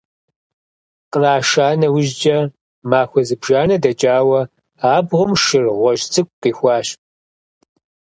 Къраша нэужькӀэ, махуэ зыбжанэ дэкӀауэ, абгъуэм шыр гъуэжь цӀыкӀу къихуащ.